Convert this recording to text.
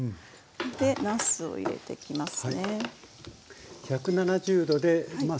でなすを入れてきますね。